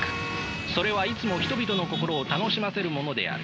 それはいつも人々の心を楽しませるものである。